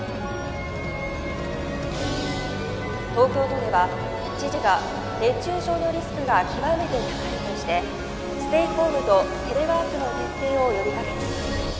「東京都では知事が熱中症のリスクが極めて高いとしてステイホームとテレワークの徹底を呼びかけています。